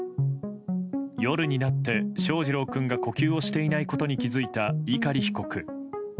夜になって翔士郎君が呼吸をしていないことに気づいた碇被告。